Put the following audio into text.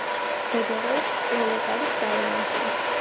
მდებარეობს პროლეტარის რაიონში.